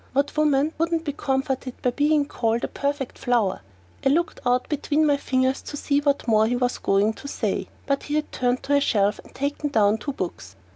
What woman wouldn't be comforted by being called a "perfect flower"? I looked out between my fingers to see what more he was going to say, but he had turned to a shelf and taken down two books.